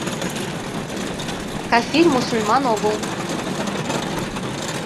Кафирь — мусульман огыл.